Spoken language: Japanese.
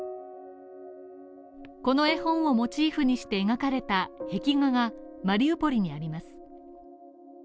この絵本をモチーフにして描かれた壁画がマリウポリにあります。